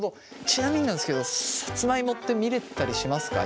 ちなみになんですけどさつまいもって見れたりしますか？